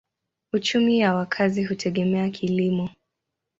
Uchumi ya wakazi hutegemea kilimo.